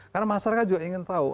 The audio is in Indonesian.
karena masyarakat juga ingin tahu